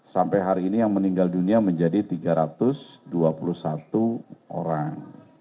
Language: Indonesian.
sampai hari ini yang meninggal dunia menjadi tiga ratus dua puluh satu orang